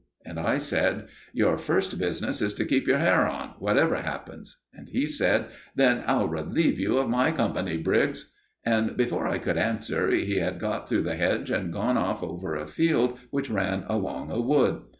And I said: "Your first business is to keep your hair on, whatever happens." And he said: "Then I'll relieve you of my company, Briggs." And, before I could answer, he had got through the hedge and gone off over a field which ran along a wood.